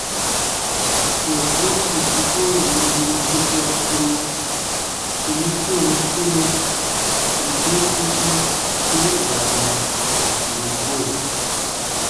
Kookoo sì su koo nùn biru wesia kpuro, sù nùn turoru sure, ù tii tusi sere ù ka da ù tii go.